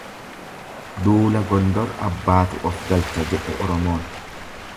Duula gondor abbaatu of galcha jedhe Oromoon.